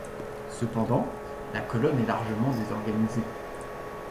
Cependant, la colonne est largement désorganisée.